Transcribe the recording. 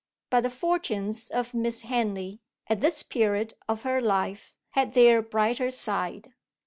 But the fortunes of Miss Henley, at this period of her life, had their brighter side.